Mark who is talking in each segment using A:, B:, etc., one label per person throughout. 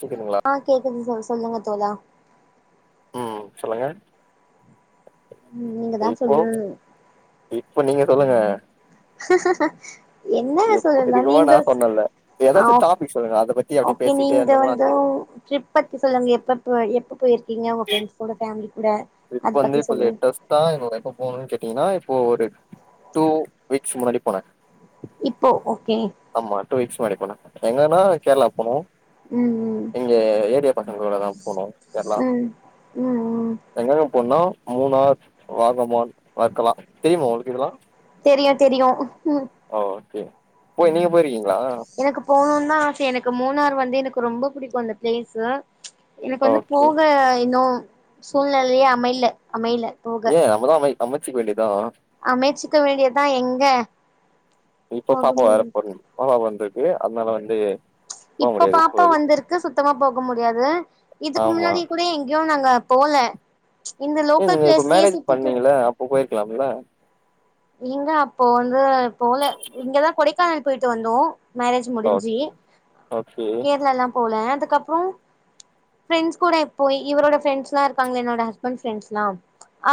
A: கேக்குதுங்களா
B: ஆ கேக்குது சொல் சொல்லுங்க தோழா
A: ம் சொல்லுங்க
B: ம் நீங்க தா
A: இப்போ
B: சொல்லணு
A: இப்ப நீங்க சொல்லுங்க
B: என்னா
A: எப்
B: சொல்லலா
A: இதுக்கு முன்னாடி
B: நீங்க
A: நா
B: ஸ்
A: சொன்னேன்ல ஏதாச்சு
B: ஆவ்ப்
A: டாபிக் சொல்லுங்க அத பத்தி அப்டி
B: ஓக்கே
A: பேசிட்டே
B: நீங்க
A: இருந்தோம்னா
B: வந்து
A: அது
B: ட்ரிப் பத்தி சொல்லுங்க எப்ப போய் எப்ப போயிருக்கீங்க உங்க ஃப்ரெண்ட்ஸ் ஓட பேமிலி
A: இப்ப வந்து இப்ப லேட்டஸ்டா எப்ப போனினு கேட்டீங்னா ப்போ ஒரு டூ வீக்ஸ் முன்னாடி போனே
B: இப்போ ஓகே
A: ஆமா டூ வீக்ஸ் முன்னாடி போன எங்கன்னா கேர்ளா போனோ
B: ம் ம்
A: இங்க ஏரியா பசங்ளோடதா போனோ கேர்ளா
B: ம் ம் ம்
A: எங்கெங்க போன்னா மூணார் ராகமான் வர்கலா தெரியுமோ உங்ளுக் இதெல்லா
B: தெரியு தெரியு உஹும்
A: ஒகெ போய் நீங்க போயிருக்
B: எனக்கு போணுன்தா ஆசியே எனக்கு மூணார் வந்து எனக் ரொம்பப் புடிக்கு அந்த ப்ளேஸு எனக்கு வந்து
A: ஓகே
B: போக இன்னு சூழ்நெலியே அமைல அமைல
A: ஏ அம்மதா போய் அமச்சிக் வேண்டி தா
B: அமைச்சுக்க வேண்டியதா எங்க
A: இப்ப
B: போக
A: பாப்பா வேற
B: முடியு
A: பொறந்துக் பாப்பா பந்து எ அதனால வந்து போ
B: இப்ப
A: முடியாது
B: பாப்பா
A: இப்போதைக்கு
B: வந்துருக்கு சுத்தமா போக முடியாது இதுக்கு
A: ஆமா
B: முன்னாடி கூடி எங்யு நாங்க போல இந்த
A: ஏ
B: லோக்கல்
A: நீங்க இப்ப
B: ப்ளேஸ்லயே
A: மேரேஜ்
B: சுத்திட்டு
A: பண்ணீங்கல்ல அப்போ போயிருக்கலாம்ல
B: இங்க அப்போ வந்து போல இங்கதா கொடைக்கானல் போய்ட்டு வந்தோ மேரேஜ்
A: ஓ
B: முடிஞ்சு
A: ஓகே
B: கேர்ளாலா போல அதுக்கப்றோ ஃப்ரெண்ட்ஸ் கூட இப்போ இவரோட ஃப்ரெண்ட்ஸ்லா இருக்காங்கல என்னோட ஹஸ்பண்ட் ஃப்ரெண்ட்ஸ்லா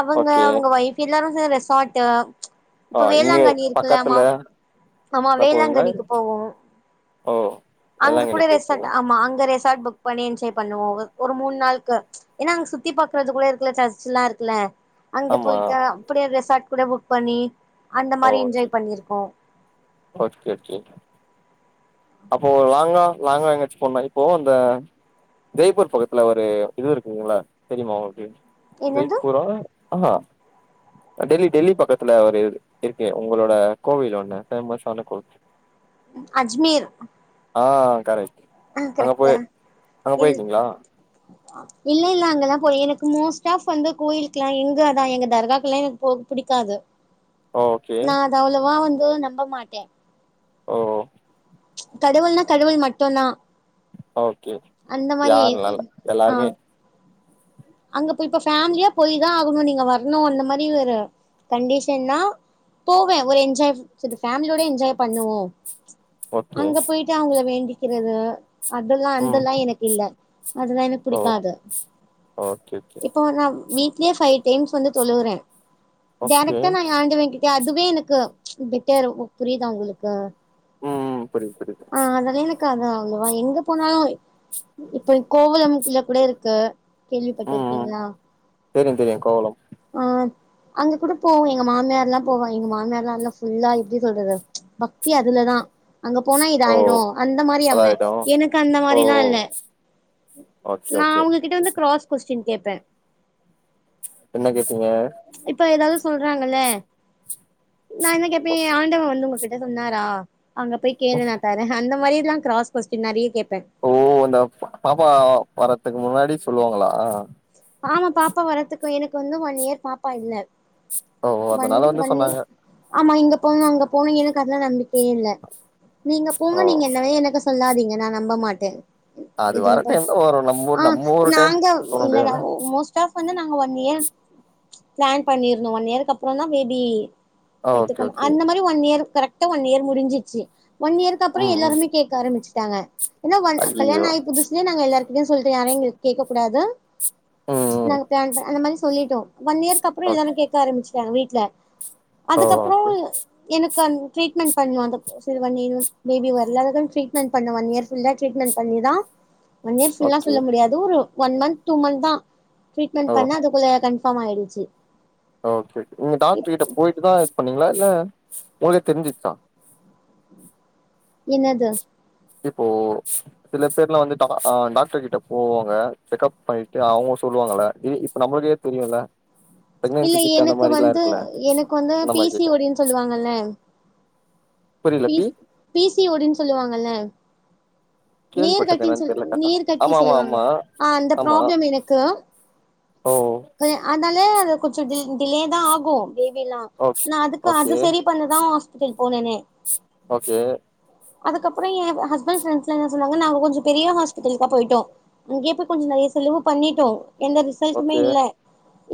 B: அவங்க
A: ஓகே
B: அவுங்க வைஃப் எல்லாரும் ச ரெசார்ட்டு
A: ஆ
B: இப்ப
A: இங்க
B: வேளாங்கண்ணி இருக்குல்லமா
A: பக்கத்துல
B: ஆமா
A: என்னா போவீங்களா
B: வேளாங்கண்ணிக்கு போவோ
A: ஓ
B: அங்க கூட
A: வேளாங்கண்ணி
B: ரெசார்ட்
A: போயிருக்கீங்க
B: ஆமா அங்க ரெ சார்ட் புக் பண்ணி என்ஜாய் பண்ணுவோ ஒரு மூணு நாளுக்கு ஏன்னா அங்க சுத்தி பாக்குறது கூட இருக்குல சர்ச்சல்லா இருக்குல அங்க
A: ஆமா
B: போயிட்டா அப்டியே ரெசார்ட் கூட புக் பண்ணி அந்த
A: ஓ
B: மாரி
A: ஓகே
B: என்ஜாய் பண்ணிருக்கோ
A: ஓகே ஓகே அப்போ லாங்கா லாங்கா எங்காச்சி போனா இப்போ அந்த ஜெய்ப்பூர் பக்கத்துல ஒரு இது இருக்குதுங்கல்ல தெரியுமா உங்களுக்கு
B: என்னது
A: ஜெய்பூரா ஆஹா டெல்லி டெல்லி பக்கத்துல ஒரு இருக்கு உங்களோட கோவில் ஒண்ணு பேமஸான கோவில்
B: அஜ்மீர்
A: ஆஹ் கரெக்ட்
B: ஆ
A: அங்க போய்
B: கரெக்டா
A: அங்க
B: இல்
A: போயிருக்கீங்களா
B: இல்ல இல்ல அங்கெல்லா போய் எனக்கு மோஸ்ட் ஆஃப் வந்து கோயிலுக்லா எங்க அதா எங்க தர்காக்குலா எனக்கு போக புடிக் காது
A: ஓகே
B: நா அது அவ்ளவா வந்து நம்ப மாட்டே
A: ஓ
B: கடவுள்னா கடவுள் மட்டும்தா
A: ஓகே யாருல்லல்ல
B: ஆ
A: எல்லாருமே
B: அங்க போய் இப்ப ஃபேமிலியா போய்தா ஆகணு நீங்க வர்ணு அந்த மாரி ஒரு கண்டிஷன்னா போவே ஒரு என்ஜாய் சரி ஃபேமிலியோட என்ஜாய் பண்ணுவோ
A: ஓகே
B: அங்க போய்ட்டு அவங்கள வேண்டிக்றது அதெல்லா
A: ம்
B: அந்தெல்லா எனக்கு இல்ல அதுலா எனக்
A: ஓ
B: புடிக்காது
A: ஓகே ஓகே
B: இப்போ நா வீட்லே பைவ் டைம்ஸ் வந்து தொழுவுறே
A: ஓகே
B: டேரக்டா நா ஆண்டவன் கிட் அதுவே எனக்கு பெட்டர் புரியுதா உங்களுக்கு
A: ம் ம் புரிது புரிது
B: க்காதா அவங்கவா எங்க போனாலு இப்ப கோவலம்ல கூட இருக்கு
A: ம் ம்
B: இருக்கிங்ளா
A: தெரியு தெரியு கோவளம்
B: ஆ அங்க கூட போவு எங்க மாமியார்லா போவா எங்க மாமியார்ல்லாம் எல்லா ஃபுல்லா எப்டி சொல்றது பக்தி அதுலதா அங்க போனா
A: ஓ
B: இதாயிடு அந்த மாரி அவுங்க
A: அதாயிடு
B: எனக்கு அந்த
A: ஓ
B: மாரிலா இல்ல
A: ஓகே
B: நா
A: ஓகே
B: அவுங்ககிட்ட வந்து க்ராஸ் கொஸ்டின் கேப்பே
A: என்ன கேட்டீங்க
B: இப்ப ஏதாவது சொல்றாங்கல்ல நான் என்ன கேப்பே ஆண்டவ வந்து உங்ககிட்ட சொன்னாரா அங்க போய் கேளு நா தரே, அந்த மாரில்லா க்ராஸ் கொஸ்டின் நெறைய கேப்
A: ஓ அந்த பாப்பா வர்றத்துக்கு முன்னாடி சொல்லுவாங்ளா
B: ஆமா பாப்பா வர்றதுக்கு எனக்கு வந்து ஒன் இயர் பாப்பா இல்ல
A: ஓ
B: வண்
A: அதனால வந்து
B: வண்ணி
A: சொன்னாங்க
B: ஆமா இங்க போணும் அங்க போனு எனக்கு அதுல்லா நம்பிக்க ஏல நீங்க போங்க
A: ஓ
B: நீங்க என்னவே எனக்கு சொல்லாதீங்க நா நம்ப மாட்டே
A: அது வர
B: எதுங்கப்பா
A: டைம்ல வரு நம்ம
B: ஆ
A: ஊர் நம்ம ஒரு டைம்
B: நாங்க
A: சொல்ல
B: இல்லடா
A: முடியாதுல்ல
B: மோஸ்ட் ஆஃப் வந்து நாங்க ஒன் இயர் ப்ளான் பண்ணிருந்தோ, ஒன் இயர்கப்பறோந்தா பேபி
A: ஓகே
B: எத்துக்கணு
A: ஓகே
B: அந்த மாரி ஒன் இயர் கரெக்டா ஒன் இயர் முடிஞ்சிச்சு ஒன் இயர்க்கு அப்ற
A: ம் ம்
B: எல்லாருமே கேக்க ஆரம்பிச்சட்டாங்க ஏன்னா ஒன் கல்யாண
A: ஐயயோ
B: ஆய் புதுசுலயே நாங்க எல்லார் அப்பின்னு சொல்லிட்டு யாறையு இங்க கேக்க கூடாது
A: ம் ம்
B: நாங்க பிளான் அந்த மாரி சொல்லிட்டோ ஒன் இயர்க்கப்றோ எல்லாரு
A: ஓகே
B: கேக்க ஆரம்பிச்ட்டாங்க வீட்ல
A: ஓ
B: அதுக்கப்றோ
A: ஓகே
B: எனக் இப்ப அந் ட்ரீட்மெண்ட் பண்லா அந்த சரி பண்ணி பேபி வர்ல அதுக்குன்னு ட்ரீட்மெண்ட் பண்ண ஒன் இயர் ஃபில்லா ட்ரீட்மென்ட் பண்ணி இதா ஒன் இயர் ஃபுல்லா
A: ஓகே
B: சொல்ல முடியாது ஒரு ஒன் மந்த் டூ மந்த்தா
A: ஓ
B: ட்ரீட்மெண்ட் பண்ணா அதுக்குள்ள கண்பாமாயிடுச்சு
A: ஓகே நீங்க டாக்டர் கிட்ட போய்ட்டுதா இது பண்ணிங்களா இல்ல உங்ளுக்கே தெரிஞ்சுருச்சா
B: என்னது
A: இப்போ சில பேர்லா வந்து டாக் அ டாக்டர் கிட்ட போவாங்க செக்கப் பண்ணிட்டு அவங்க சொ சொல்லுவாங்கள்ள இ இப்ப நம்ளுக்கே தெரியுல்ல
B: இல்ல
A: ப்ரெக்னன்சி கிட் அந்த
B: எனக்கு
A: மாரில்லா
B: வந்து
A: இருக்குல்ல
B: எனக்கு வந்து
A: அந்த
B: பி
A: மாரி
B: சி ஓ
A: கேக்குறே
B: டி ன்னு சொல்லுவாங்கல்ல P P C O D னு சொல்லுவாங்கல நீர்
A: கேள்விப்பட்டிருக்கே
B: கட்டினு
A: என்னன்னு
B: சொல்
A: தெர்ல கரெக்டா
B: நீர் கட்டி
A: ஆமா ஆமா
B: சொல்லுவாங்க
A: ஆமா
B: ஆ அந்த
A: ஆமா
B: ப்ராப்ளம் எனக்கு
A: ஓ
B: அதனாலே அது கொஞச டி டிலேதா ஆகு பேபிலா
A: ஓ
B: நா அதுக்கு அது
A: ஓகே
B: செரி பண்ணதா போனேனே
A: ஓகே
B: அதுக்கப்றோ எ ஹஸ்ஃபண்ட் ஃபரெண்ஸ்லா சொன்னாங்க நாங்க கொஞ்சோ பெரிய ஹாஸ்பிட்டல்க்கா போய்ட்டோ அங்கேய் போய் கொஞ்சோ நெறைய செலவு பண்ணிட்டோ எந்த ரிசல்ட்டுமே
A: ஓகே
B: இல்ல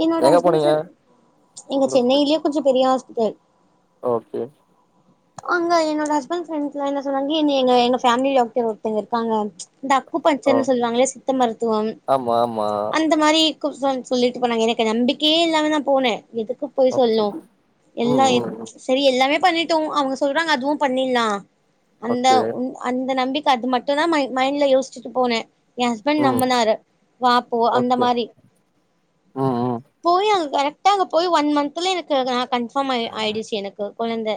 B: என்னட
A: எங்க போனீங்க
B: ஹஸ்பண்ட் எங்க
A: இந்த ஹாஸ்பிட்டல்
B: சென்னையிலயே கொஞ்ச பெரிய ஹா ஸ்பிட்டல்
A: ஓகே
B: அங்க என்னோட ஹஸ்பண்ட் ஃபிரெண்ட் எல்லா என்ன சொன்னாங்க எங்க எங்க ஃபேமிலி டாக்டர் ஒருத்தங்க இருக்காங்க இந்த அக்கு
A: ஓ
B: பஞச்சர் சொல்லுவாங்களே சித்த மருத்துவம்
A: ஆமா ஆமா
B: அந்த மாரி சொல்லிட்டு போனாங்க எனக்கு நம்பிக்கையே இல்லாமதா போனே எதுக்கு பொய்
A: ஓ
B: சொல்னு
A: ம்
B: எல்லா
A: ம் ம்.
B: சரி எல்லாமே பண்ணிட்டோ அவங்க சொல்றாங்க அதுவு பண்ணிடலா அந்த
A: ஓகே
B: அந்த நம்பிக்க அது மட்டுதா மை மைண்ட்ல யோசிச்சுட்டு போனே எ ஹஸ்பண்ட்
A: ம்
B: நம்புனாரு வாப்போ அந்த
A: ஓகே
B: மாரி
A: ம் ம்
B: போய் அங்க கரெக் அங்க போய் ஒன் மந்த்ல எனக்கு கன்ஃபார்ம் ஆய் ஆயிடுச்சு எனக்கு கொழந்த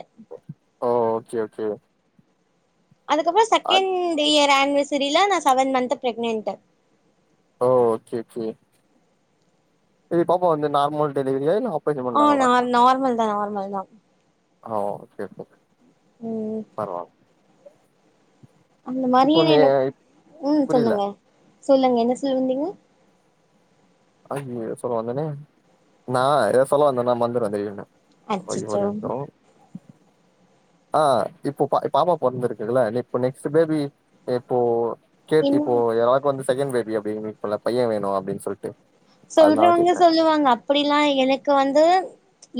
A: ஓகே ஓகே
B: அதுக்கப்ற
A: அத்
B: செகண்ட் இயர் அனிவசரில நான சவன் மன்த் ப்ரக்னன்ட்
A: ஒ ஓகே ஓகே செரி பாப்பா வந்து நார்மல் டெலிவரியா இல்ல ஆப்
B: ஆ ந நார்மல்தா நார்மல்தா
A: ஓ சேர் செரி
B: ம் அந்த மாரி
A: இப்போ நீ
B: எனக் ம்
A: புரியல
B: சொல்லுங்க சொல்லுங்க என்ன சொல்ல வந்தீங்க
A: அய ஏத சொல்ல வந்தேனே நா ஏத சொல்ல வந்தே நா மறந்திருவே
B: அச்சச்சோ
A: [unintelligible] அ இப்போ பா பாப்பா பொறந்திருக்குதுல இப்ப நெக்ஸ்ட் பேபி எப்போ கேட்டு இப்போ
B: என்ன
A: யாருக்கு வந்து செகண்ட் பேபி அப்டின் பைய வேணு அப்டின் சொல்ட்டு அதனால
B: சொல்றவங்க
A: கேக்குறே
B: சொல்லுவாங்க அப்டிலா எனக்கு வந்து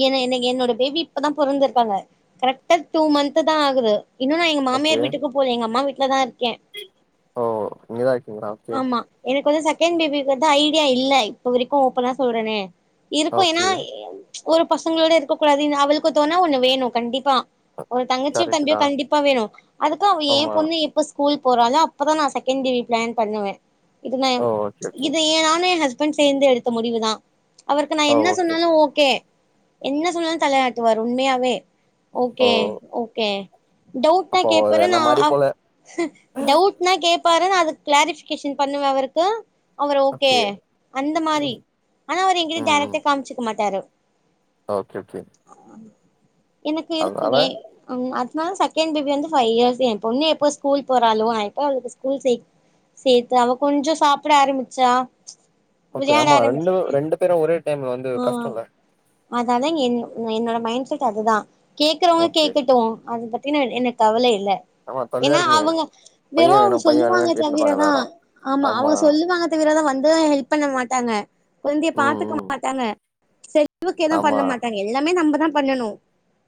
B: என்ன எனக் என்னோட பேபி இப்பதா பொறந்திருப்பாங்க கரெக்டா டூ மந்த்துதா ஆகுது இன்னு நா எங்க
A: ஓகே
B: மாமியார் வீட்டுக்கு போல எங்க அம்மா வீட்லதா இருக்
A: ஓ இங்கதா இருக்கீங்ளா
B: ஆமா எனக்கு செகண்ட் பேபிக்கு வந்து ஐடியா இல்ல இப்ப வரைக்கு ஓப்பனா சொல்றனே இருக்கு ஏன்னா
A: ஓகே
B: ஒரு பசங்ளோட இருக்க கூடாது அவளுக்கு தொண ஒண்ணு வேணு கண்டிப்பா ஒரு தங்கச்சியு
A: கரெக்ட்
B: தம்பியு
A: தா
B: கண்டிப்பா வேணு அதுக்கு அவ ஏ
A: ஆமா
B: பொண்ணு இப்ப ஸ்கூல் போறாலோ அப்பதா நா செகண்ட் பேபி ப்ளான் பண்ணுவே இது நா
A: ஓ ஓகே ஓகே
B: இது ஏனா சேந்து எடுத்த முடிவுதா அவருக்கு நா
A: ஓ
B: என்ன
A: ஓகே
B: சொன்னாலு ஓகே என்ன சொன்னாலு தலையாட்டுவாரு உண்மையாவே ஓகே
A: ஓ
B: ஓகே டவுட்னா
A: அப்போ
B: கேப்பரு
A: என்ன
B: நா
A: மாரி
B: அ
A: போல
B: டவுட் னா கேப் பாரு நா அதுக்கு களேரிபிக்கேஷன் பண்ணுவே அவருக்கு அவர் ஓகே அந்த மாரி
A: ம்
B: ஆனா அவரு எங்கிட்ட டேரக்ட்டா காமிச்சுக்க மாட்டாரு
A: ஓகே ஓகே
B: எனக்கு
A: அதனால
B: இருக்குமே ம் அது நா செகண்ட் பேபி வந்து ஃபைவ் இயர்ஸ் எ பொண்ணு எப்போ ஸ்கூல் போறாலோ நான் எப்போ அவளுக்கு ஸ்கூல் சேத்து அவ கொஞ்ச சாப்பிட ஆரம்பிச்சா
A: ஓகே
B: விளையாட
A: ஆமா ரெண்டு
B: ஆரம்பிச்சா
A: ரெண்டு பேரு ஒரே டைம்ல வந்து
B: ஆ
A: கஷ்டம்ல
B: அதாதா என் என்னோட மைண்ட் செட் அதுதா கேக்கறவங்க
A: ஓகே
B: கேக்கட்டு அத பத்தின எனக் கவலை இல்ல
A: ஆமா தொல்லையா
B: ஏன்னா
A: இருக்குமே
B: அவுங்க
A: பையன்
B: வெறும் அவங்க
A: வேணும் பையன்
B: சொல்லுவாங்க
A: வேணும்னு கேட்டுனு இருப்பாங்க
B: தவிரதா
A: எல்லாரும்
B: ஆமா அவங்க சொல்லுவாங்க தவிரதா வந்து ஹெல்ப் பண்ண மாட்டாங்க கொழந்தய
A: ம்
B: பாத்துக்க மா
A: ம்
B: செ செலவுக்கு எது
A: ஆமா
B: பண்ண மாட்டாங்க எல்லாமே நம்ம பண்ணனு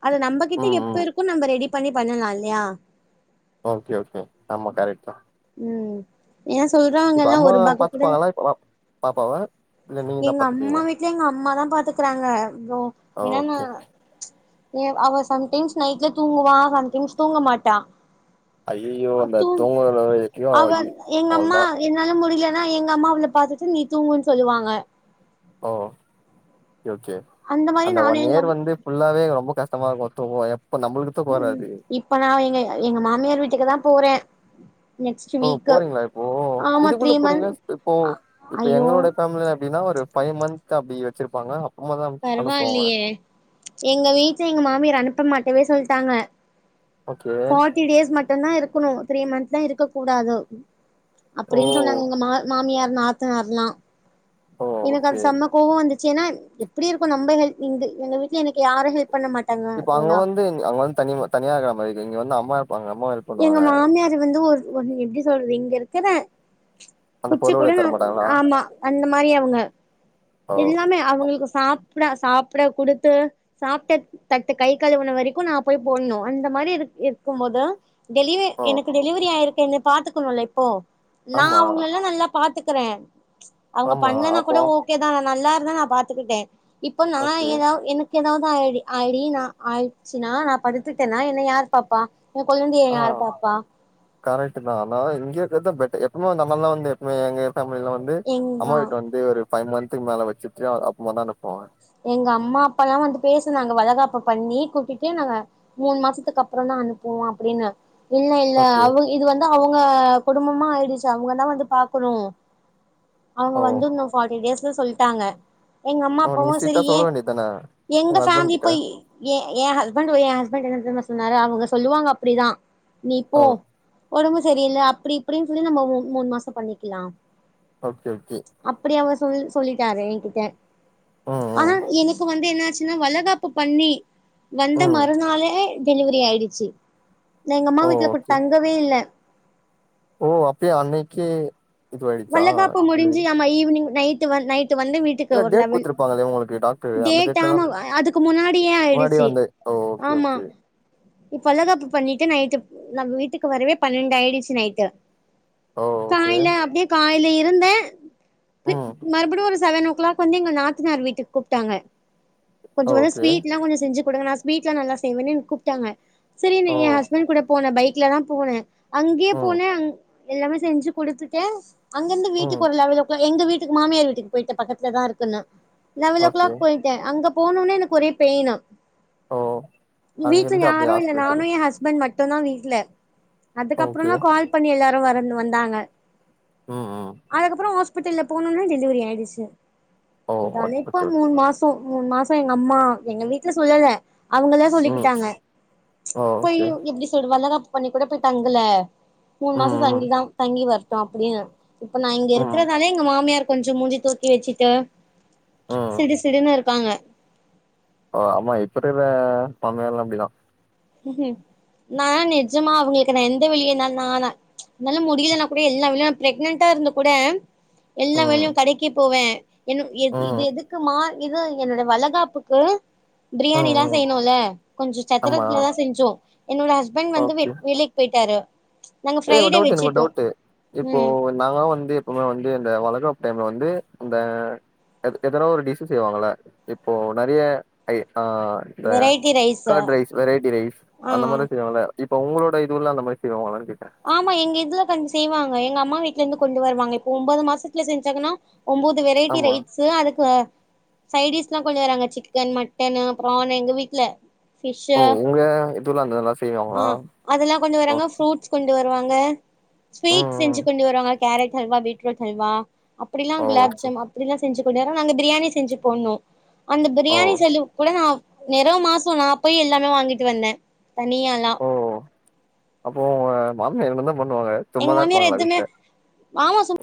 B: அது நம்பகிட்ட
A: ம்
B: எப்ப
A: ம்
B: இருக்குன்னு நம்ப ரெடி பண்ணி பண்ணலா இல்லயா
A: ஓகே ஓகே ஆமா கரெக்ட் தான்
B: உம் ஏ
A: இப்ப
B: சொல்றாங்கலாம்
A: அம்மா
B: ஒருபாக்கி கூட
A: பாத்துப்பாங்களா இப்ப பா பாப்பாவ இல்ல நீங்க தான்
B: எங்க அம்மா
A: பாத்துப்பீங்களா
B: வீட்ல எங்க அம்மாதா பாத்துக்றாங்க இப்போ என்னான்னா
A: ஓகே
B: ஏ அவ சம்டைம்ஸ் நைட்ல தூங்குவா சம்டைம்ஸ் தூங்க மாட்டா
A: ஐயையோ அந்த
B: தூ
A: தூங்கரல
B: அவ எங்க அம்மா என்னால முடிலன்னா எங்க அம்மா அவள பாத்துட்டு நீ தூங்குன்னு சொல்லுவாங்க
A: ஓ ஓகே ஓகே
B: மாரி
A: அந்த
B: நானு
A: ஒன்
B: எங்க
A: இயர் வந்து ஃபுல்லாவே ரொம்ப கஷ் டமா இருக்கு தூங்க
B: ம் இப்ப நான் எங்க எங்க மாமியார் வீட்டுக்கு தா போறே நெக்ஸ்ட்
A: ஓ
B: வீக்கு
A: போறீங்களா இப்போ
B: ஆமா த்ரீ
A: இதுக்குள்ள
B: மந்த்
A: போறீங்களா இப்போ இப்ப
B: ஐயோ
A: எங்களோட பேமிலி அப்டின்னா ஒரு பைவ் மந்த் அப்டி வச்சிருப்பாங்க அப்பமாதா
B: பரவா
A: அனுப்புவாங்க
B: இல்லயே எங்க வீட்ட எங்க மாமியர் அனுப்ப மாட்டவே சொல்ட்டாங்க
A: ஓகே
B: ஃபோர்ட்டி டேஸ் மட்டுந்தா இருக்கணு த்ரீ மந்த்லா இருக்க கூடாது
A: ஓ
B: அப்படின் சொன்னாங்க எங்க மா மாமியாார் நாத்தனாரல்லா
A: ஓ
B: எனக்கு
A: ஓகே
B: அது செம்ம கோவோ வந்துர் சுன்னா எப்டி இருக்கு நம்ப ஹெல்ப் நீங்க எங்க வீட்ல எனக்கு யாரு ஹெல்
A: இப்ப அங்க வந்து அங்க வந்து தனி தனியாகுற மாரி இங்க வந்து அம்மா இருப்பாங்க அம்மா ஹெல்ப்
B: எங்க
A: பண்ணுவாங்க
B: மாமியாரு வந்து ஒரு ஒரு எப்டி சொல்றது இங்க இருக்குற
A: அந்த
B: குச்சி கூட
A: பொருள தர மாட்டாங்களா
B: ஆமா அந்த மாரி அவுங்க
A: ஓ
B: எல்லாமே அவுங்களுக்கு சாப்ட சாப்ட குடுத்து சாப்ட்ட தட்டு கை கழுவுன வரைக்கு நா போய் போட்ணு அந்த ம மாரி இருக் இருக்கும் போது டெலிவெ
A: ஓ
B: எனக்கு டெலிவெரி ஆயிருக்கு எங்க பாத்துக்கணுல இப்போ நா
A: ஆமா
B: அவுங்கலல்லா நல்லா பாத்துக் க்றேன் அவுங்க
A: ஆமா
B: பண்லனா கூட
A: அப்போ
B: ஓகே தா நா நல்லா இருந்த நா பாத்துக்கிட்டே இப்போ நா
A: ஓகே
B: எதாவ் எனக் எதாவது ஆயிடி ஆய்டி நா ஆயிட்ச்சுனா நா படுத்துட்டனா என்ன யார் பாப்பா உன் கொழ்
A: ஆஹ் கரெக்ட் தா ஆனா இங்க இருக்கதா பெட் எப்பவுமே நம்மல்லா வந்து எப்பவுமே எங்க ஃபேமிலில வந்து
B: எங்க
A: அம்மா வீட்டு வந்து ஒரு பைவ் மந்த்துக்கு மேல வெச்சுட்டு அப்றமா தா அனுப்புவாங்க
B: எங்க அம்மா அப்பாலா வந்து பேசுனாங்க வலகாப்ப பண்ணி கூட்டிட்டு நாங்க மூண் மாசத்துக்கப்றோந்தா அனுப்புவோ அப்டின்னு இல்ல இல்ல
A: ஓகே
B: அவுங் இது வந்து அவுங்க குடும்பமா ஆயிடுச்சு அவுங்கதா வந்து பாக்கணு அவுங்க
A: ஓ
B: வந்துன்னு ஃபோர்ட்டி டேஸ்ல சொல்ட்டாங்க எங்க
A: ஓ நீங்க
B: ப்பவு சரி
A: ஸ்ட்ரிட்டா சொல்ல
B: ஏன்
A: வேண்டியதான
B: எங்க
A: உங்க ஹஸ்பண்ட்
B: ஃபேமிலி
A: கிட்ட
B: போய் என் என் ஹஸ்பண்டு என் ஹஸ்பண்டென்ன தெரியுமா சொன்னாரு அவுங்க சொல்லுவாங்க அப்டிதா நீ போ
A: ஓ
B: ஒடம்பு சரியில்ல அப்டி இப்டின் சொல்லி நம்ம மூண் மாசோ பண்ணிக்லா
A: ஓகே ஓகே
B: சொல் சொல்லிட்டாரு என்கிட்ட
A: ம் ம்
B: ஆனா எனக்கு வந்து என்னாச்சுன்னா வலகாப்பு பண்ணி வந்த
A: ம்
B: மறுநாளே டெலிவரி ஆயிடுச்சு நா எங்கம்மா
A: ஓ
B: வீட்ல கூ
A: ஓகே
B: தங்கவே இல்ல
A: ஓ அப்டியா அன்னைக்கே இதுவாயிடுச்சா
B: வலகாப்பு
A: டெலிவரி
B: முடிஞ்சு ஆமா ஈவினிங் நைடு வ நைட் டு வந்து வீட்டுக்கு
A: இல்ல
B: ஒரு
A: டேட்
B: லெவல்
A: குடுத்துருப்பாங்களே உங்களுக்கு டாக்டரு அந்த
B: டேட்
A: டேட்ல தா
B: ஆன அதுக்கு முன்னாடியே
A: முன்னாடியே
B: ஆயிடுச்சு
A: வந்து ஓ ஓகே
B: ஆமா
A: ஓகே
B: இப்ப வளகாப்பு பண்ணீட்டு நைட்டு நம்ம வீட்டுக்கு வரவே பன்னண்டாய்டுச்சு நைட்டு
A: ஓ ஓகே
B: ஆ இல இருந்த
A: ம்
B: மறுபடியு ஒரு செவனோ க்ளாக் வந்து எங்க நாத்தனார் வீட்டுக் கூப்ட்டாங்க கொஞ்சோ கொஞ்சொ
A: ஓகே
B: ஸ்வீட்லா கொஞ்சோ செஞ்சுட் குடுங்க நா ஸ்வீட்லா நல்லா செய்வேன்னு என கூப்ட்டாங்க செரீனு
A: ஓ
B: எ ஹஸ்பண்ட் கூட போன பைக்லதா போன அங்கியே
A: ம்
B: போன அங் எல்லாமே செஞ்சு குடுத்துட்ட அங்கிருந்து வீட்டுக்கு
A: ம்
B: ஒரு லெவலோக்ளோ எங்க வீட்டுக்கு மாமியார் வீட்டுக்கு போய்ட்ட பக்கத்லாதா இருக்குன்னு லெவல் ஓ
A: ஓகே
B: கிளாக் போயிட்ட அங்க போனொனே எனக்கு ஒரே பெயினு
A: ஓ
B: வீட்ல
A: அங்கிருந்து அப்டியே
B: யாரூ இல்ல நானூ
A: ஹாஸ்பிட்டல்
B: என் ஹஸ்பண்ட் மட் டுந்தா வீட்ல
A: ஓகே
B: அதுக்கப்றோந்தா கால் பண்ணி எல்லாரு வரனு வந்தாங்க
A: ம் ம்
B: அதுக்கப்றோ ஹாஸ்பிட்டல்ல போனோனே டெலிவரி ஆயிடுச்சு
A: ஓ
B: அதாலே இப்ப
A: ஓகே ஓகே
B: மூண் மாசோ மூண் மாசோ எங்க அம்மா எங்க வீட்ல சொல்லல அவுங்கலா
A: ம்
B: சொல்லிக்கிட்டாங்க
A: ஓ
B: போய்
A: ஓகே
B: எப்டி சொல் வளகாப் பண்ணி கூட போய் தங்கல மூணு
A: ம்
B: மாசோ
A: ம்
B: தங்கிதா தங்கி வர்ட்டூ அப்டீனு இப்ப நா இங்க
A: ம்
B: இருக்கிறதால எங்க மாமியார் கொஞ்சோ மூஞ்சி தூக்கி வெச்சுட்டு
A: ம்
B: சிடு சிடுனு இருக் தாங்க
A: ஓ ஆமா இப்ப இருக்கிற மாமியார் எல்லா அப்டிதா.
B: நா நெஜமா அவுங்களுக்கு நா எந்த வெளியனானால ம்ச் என்னால முடியலனா கூட எல்லா வேலயு நா ப்ரெக்னன்ட்டா இருந்து கூட எல்லா
A: ம்
B: வேலயு கடைக்கு போவ என்
A: ம்
B: இது எதுக்கு மா இது என்னோட வளகாப்புக்கு பிரியாணி
A: ம்
B: எல்லா
A: ம்
B: செய்யனுல்ல கொஞ்சோ சத்திர
A: ஆமா
B: செஞ்சோ என்னோட ஹஸ்பண்ட் வந்து வெ வெளிய போய்ட்டாரு
A: ஏ ஒ டவுட் எனக்கொரு டவுட்டு இப்போ
B: ம்
A: நாங்கள்ளா வந்து எப்புமே வந்து இந்த வளகாப் டைம்ல வந்து இந்த எ எதனா ஒரு டிஷ்ஷு செய்வாங்கல்ல இப்போ நெறயா ஐ ஆ இந்த
B: variety rice
A: curd rice variety rice அந்த
B: ஆ
A: மாரி செய்வாங்கல்ல இப்ப உங்ளோட இதுவுல அந்த மாரி செய்வாங்ளானு கேட்
B: ஆமா எங்க இதுல கொஞ்ச் செய்வாங்க. எங்க அம்மா வீட்லந்து கொண்டு வருவாங்க. இப்போ ஒம்பது மாசத்துல செஞ்சாங்கனா ஒம்பது வெரைட்டி
A: ஆமா
B: ரைட்ஸு அதுக்கு சைடிஷ்ல்லா கொஞ்சோ நாங்க சிக்கன், மட்டனு, ப்ரானு எங்க வீட்ல
A: ஓ
B: ஃபிஷ்ஷு
A: உங்க இதுல அந்ததெல்லா
B: ஆ
A: செய்வாங்களா
B: அதெல்லா கொண்டு
A: ஓ
B: வராங்க ஃப்ரூட்ஸ் கொண்டு வருவாங்க.
A: ம்
B: ஸ்வீட் செஞ்சு
A: ம்
B: கொண்டு வருவாங்க. கேரட் அல்வா பீட்ரூட் அல்வா அப்டி எல்லா
A: ஓ சூ
B: குலாப்ஜாம் அப்டி எல்லா செஞ்சு கொண்டுவராங் நாங்க பிரியாணி செஞ்சு போடுணு. அந்த
A: ஓ
B: பிரியாணி செல்லு கூட நா நெறோ மாசோ நா போய் எல்லாமே வாங்கிட்டு வந்த. தனி ஆளா
A: ஓ அப்போ உங்க மாமியார் என்னதா பண்ணுவாங்க? சும்மாதா இருப்பாங்ளா வீட்ல?
B: ஆமா சும்